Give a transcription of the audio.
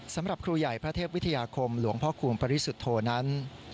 สำหรับครูใหญ่พระเทพวิทยาคมหลวงพ่อคูณปริสุทธโธนั้น